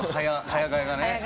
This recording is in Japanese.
早替えがね。